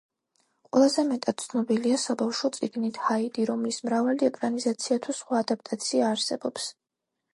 ყველაზე მეტად ცნობილია საბავშვო წიგნით „ჰაიდი“, რომლის მრავალი ეკრანიზაცია თუ სხვა ადაპტაცია არსებობს.